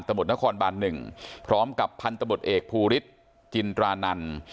ตะบดนครบัน๑พร้อมกับพันธบดเอกภูริษฐ์จินตรานันต์